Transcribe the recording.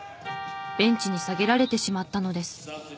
ベンチに下げられてしまったのです。